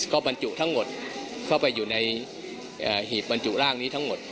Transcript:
ก็บรรจุทั้งหมดเข้าไปอยู่ในหีบบรรจุร่างนี้ทั้งหมด